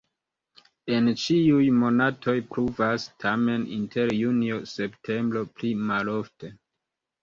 En ĉiuj monatoj pluvas, tamen inter junio-septembro pli malofte.